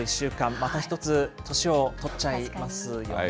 また１つ、年をとっちゃいますよね。